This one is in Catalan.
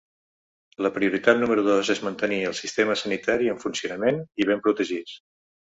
La prioritat número dos és mantenir el sistema sanitari en funcionament i ben protegits.